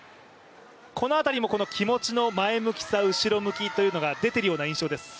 この辺りも気持ちの前向きさ後ろ向きというのが出ているような印象です。